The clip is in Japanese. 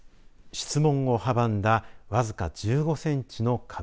質問を阻んだわずか１５センチの壁。